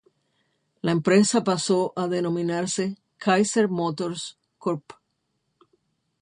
La empresa pasó a denominarse Kaiser Motors Corp.